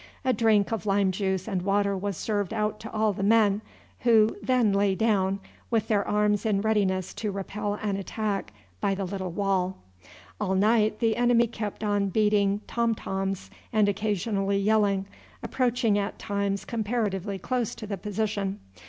A drink of lime juice and water was served out to all the men, who then lay down, with their arms in readiness to repel an attack, by the little wall. All night the enemy kept on beating tom toms and occasionally yelling, approaching at times comparatively close to the position.